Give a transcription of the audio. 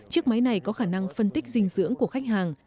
chiếc máy này có khả năng phân tích dinh dưỡng của khách hàng